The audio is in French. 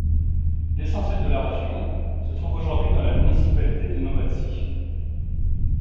L'essentiel de la région se trouve aujourd'hui dans la municipalité de Novatsi.